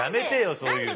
そういうの。